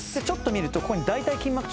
ちょっと見ると。